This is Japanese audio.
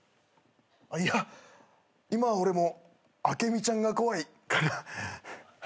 いや今俺もアケミちゃんが怖いかな。